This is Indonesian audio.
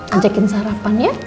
ajakin sarapan ya